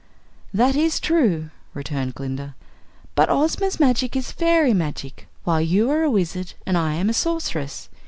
"That is true," returned Glinda, "but Ozma's magic is fairy magic, while you are a Wizard and I am a Sorceress.